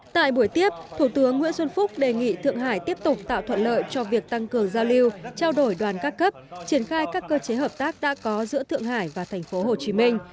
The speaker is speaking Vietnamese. tại buổi tiếp thủ tướng nguyễn xuân phúc đề nghị thượng hải tiếp tục tạo thuận lợi cho việc tăng cường giao lưu trao đổi đoàn các cấp triển khai các cơ chế hợp tác đã có giữa thượng hải và thành phố hồ chí minh